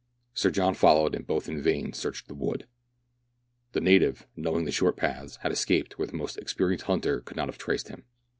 Sir John followed, and both in vain searched the wood. The native, knowing the short paths, had escaped where the most experienced hunter could not have traced him.